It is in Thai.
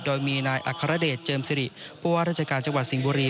โดยมีนายอัครเดชเจิมสิริผู้ว่าราชการจังหวัดสิงห์บุรี